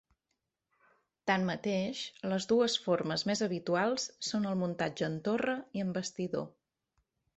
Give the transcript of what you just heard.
Tanmateix, les dues formes més habituals són el muntatge en torre i en bastidor.